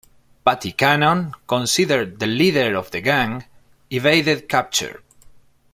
Patty Cannon, considered the leader of the gang, evaded capture.